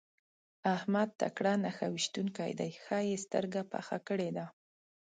احمد تکړه نښه ويشتونکی دی؛ ښه يې سترګه پخه کړې ده.